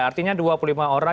artinya dua puluh lima orang